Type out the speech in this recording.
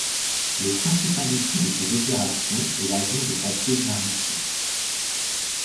Le principal outil de ces opérations est l'avion de patrouille maritime.